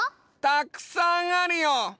たっくさんあるよ！